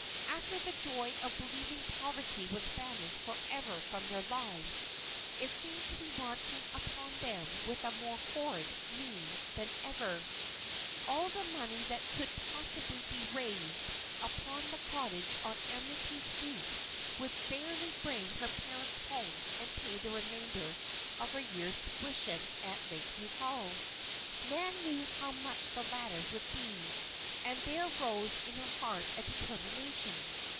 After the joy of believing poverty was banished forever from their lives, it seemed to be marching upon them with a more horrid mien than ever. All the money that could possibly be raised upon the cottage on Amity Street would barely bring her parents home and pay the remainder of her year's tuition at Lakeview Hall. Nan knew how much the latter would be, and there rose in her heart a determination.